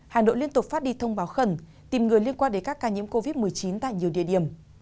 hà nội liên tục phát đi thông báo khẩn tìm người liên quan đến các ca nhiễm covid một mươi chín tại nhiều địa điểm